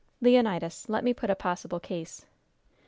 "Leonidas, let me put a possible case.